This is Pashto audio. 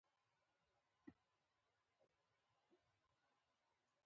پخوانۍ نړۍ څخه ګوهري توپیر لري.